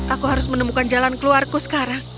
aku harus menemukan jalan keluarku sekarang